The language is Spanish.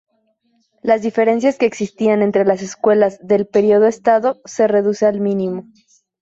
Las diferencias que existían entre las escuelas del "período Edo" se reduce al mínimo.